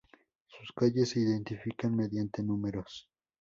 Sus calles se identifican mediante números.